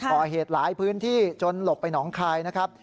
ก่อเหตุหลายพื้นที่จนหลบไปหนองคายนะครับ